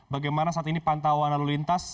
bagaimana saat ini pantauan lalu lintas